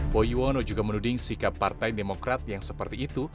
poyono juga menuding sikap partai demokrat yang seperti itu